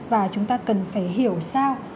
và chúng ta cần phải hiểu sao